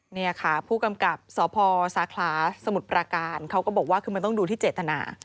นี่ค่ะผู้กำกับสพสาขลาสมุทรประการเขาก็บอกว่าคือมันต้องดูที่เจตนา